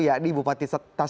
yakni bupati tasik manapung